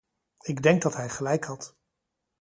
Ik denk dat hij gelijk had.